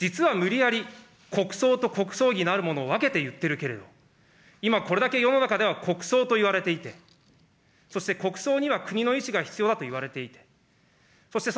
実は無理やり国葬と国葬儀なるものを分けて言っているけれども、今、これだけ世の中では国葬といわれていて、そして、国葬には国の意思が必要だといわれている。